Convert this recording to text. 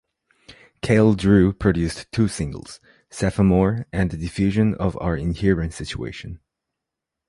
"Cale:Drew" produced two singles: Semaphore and The Diffusion of Our Inherent Situation.